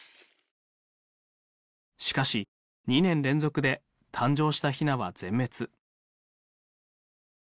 しかし２年連続で誕生したひなは全滅。